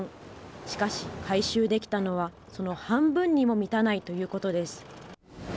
しかし、回収できたのはその半分にも満たないということです。